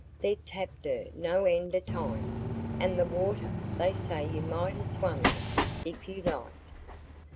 "They'd tapped her no end o' times, and the water—they say you might ha' swum in it, if you'd liked."